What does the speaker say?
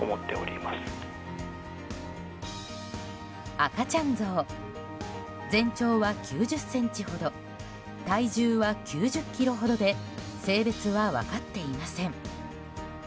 赤ちゃんゾウ全長は９０ｃｍほど体重は９０ｋｇほどで性別は分かっていません。